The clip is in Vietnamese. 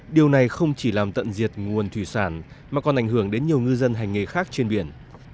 điều này không chỉ làm tận diệt nguồn thủy sản mà còn ảnh hưởng đến nhiều ngư dân hành nghề khác trên biển